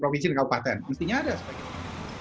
provinsi dan kabupaten mestinya ada sebagainya